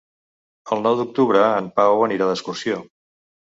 El nou d'octubre en Pau anirà d'excursió.